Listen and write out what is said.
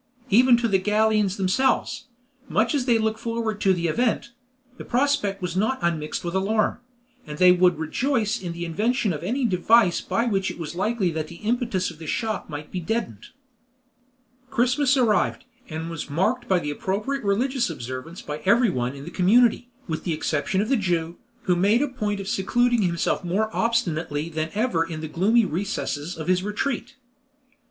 Even to the Gallians themselves, much as they looked forward to the event, the prospect was not unmixed with alarm, and they would rejoice in the invention of any device by which it was likely the impetus of the shock might be deadened. Christmas arrived, and was marked by appropriate religious observance by everyone in the community, with the exception of the Jew, who made a point of secluding himself more obstinately than ever in the gloomy recesses of his retreat.